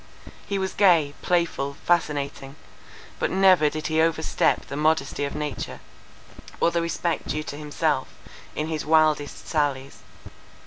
He was gay, playful, fascinating—but never did he overstep the modesty of nature, or the respect due to himself, in his wildest sallies.